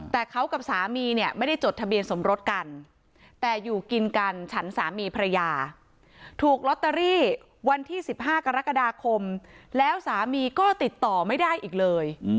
แต่เขากับสามีเนี่ยไม่ได้จดทะเบียนสมรสกันแต่อยู่กินกันฉันสามีภรรยาถูกลอตเตอรี่วันที่๑๕กรกฎาคมแล้วสามีก็ติดต่อไม่ได้อีกเลย